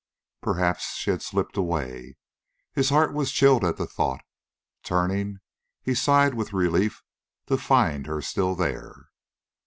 Perhaps she had slipped away. His heart was chilled at the thought; turning, he sighed with relief to find her still there.